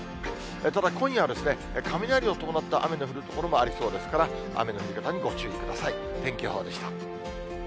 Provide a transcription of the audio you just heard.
ただ今夜は、雷を伴った雨の降る所もありそうですから、雨の降り方にご注意く